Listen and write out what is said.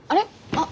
あっ。